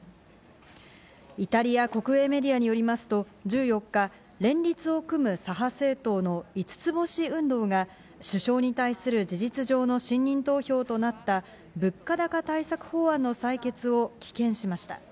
イタリア国営メディアによりますと１４日、連立を組む左派政党の五つ星運動が首相に対する事実上の信任投票となった、物価高対策法案の採決を棄権しました。